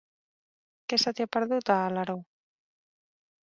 Què se t'hi ha perdut, a Alaró?